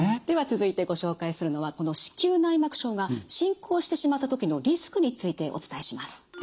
では続いてご紹介するのはこの子宮内膜症が進行してしまった時のリスクについてお伝えします。